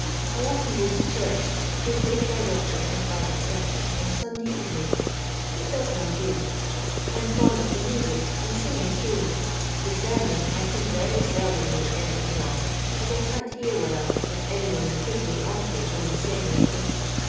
I often go to church, both with my daughter and by mysdf, on Sunday evenings. It does one good. I'm fond of the music and singing too. The sermon I can very seldom make anything of, as I can't hear well if any one's a good way off me when he's saying anythink.